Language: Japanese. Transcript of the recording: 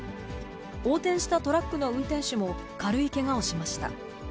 横転したトラックの運転手も軽いけがをしました。